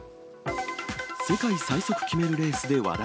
世界最速決めるレースで話題。